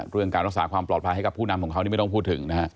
เรื่องการรักษาความปลอดภัยให้กับผู้นำของเขานี่ไม่ต้องพูดถึงนะฮะ